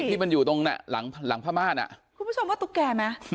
ที่มันอยู่ตรงหลังผ้าม่านอ่ะคุณผู้ชมว่าตุ๊กแก่ไหม